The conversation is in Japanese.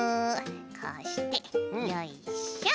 こうしてよいしょ。